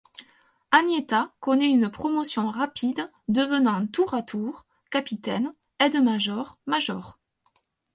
Agnetta connait une promotion rapide devenant tour à tour, capitaine, aide major, major.